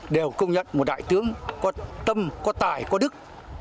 đều công nhận một đại tướng có tâm có tài có đức